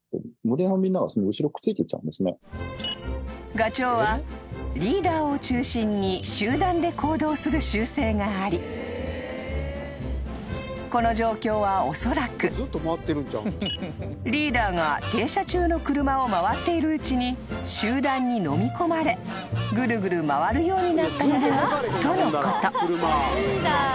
［ガチョウはリーダーを中心に集団で行動する習性がありこの状況はおそらくリーダーが停車中の車を回っているうちに集団にのみ込まれぐるぐる回るようになったのではとのこと］